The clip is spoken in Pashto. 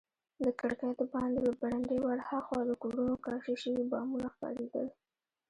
د کړکۍ دباندې له برنډې ورهاخوا د کورونو کاشي شوي بامونه ښکارېدل.